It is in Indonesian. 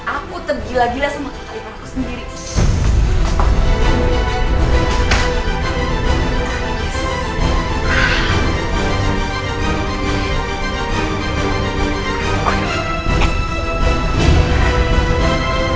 aku tergila gila sama ayah aku sendiri